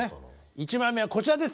１枚目はこちらです